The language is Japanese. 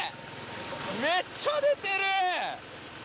めっちゃ出てる！